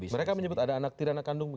mereka menyebut ada anak tidak anak kandung